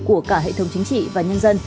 của cả hệ thống chính trị và nhân dân